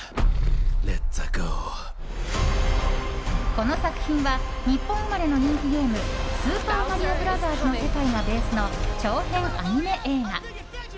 この作品は日本生まれの人気ゲーム「スーパーマリオブラザーズ」の世界がベースの長編アニメ映画。